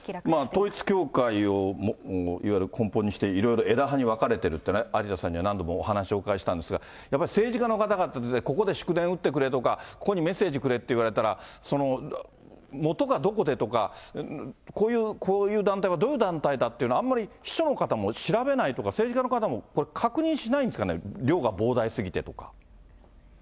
統一教会をいわゆる根本にして、いろいろ枝葉に分かれてるっていうのは、有田さんには何度もお話をお伺いしたんですが、やっぱり政治家の方々、ここで祝電打ってくれとかここにメッセージくれとか言われたら、もとがどこでとかこういう団体がどういう団体だっていうの、あんまり秘書の方も調べないとか、政治家の方も確認しないんですかね、量が膨大過ぎてとか。